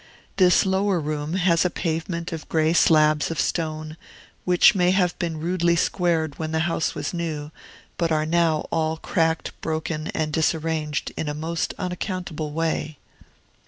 This lower room has a pavement of gray slabs of stone, which may have been rudely squared when the house was new, but are now all cracked, broken, and disarranged in a most unaccountable way.